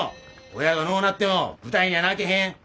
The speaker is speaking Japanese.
親が亡うなっても舞台に穴あけへん。